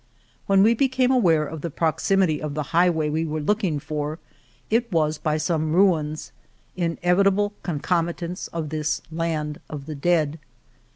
When we became aware of the proximity of the highway we were look ing for, it was by some ruins, inevitable con comitants of this Land of the Dead.